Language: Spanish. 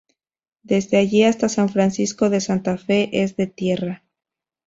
Desde allí hasta San Francisco de Santa Fe es de tierra.